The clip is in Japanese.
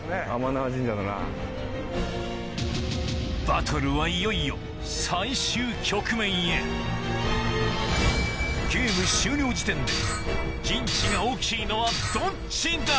バトルはいよいよゲーム終了時点で陣地が大きいのはどっちだ？